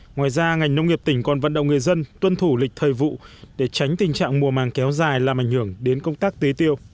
ngoài ra ngành nông nghiệp tỉnh còn vận động người dân tuân thủ lịch thời vụ để tránh tình trạng mùa màng kéo dài làm ảnh hưởng đến công tác tế tiêu